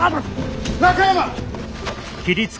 中山！